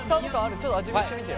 ちょっと味見してみてよ。